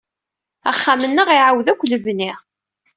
Axxam-nneɣ iɛawed akk lebni.